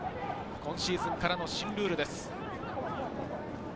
今シーズンからの新ルールです。